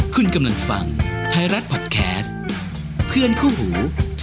คุณกำลังฟังไทยรัฐพอดแคสต์เพื่อนคู่หู